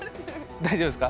大丈夫ですか？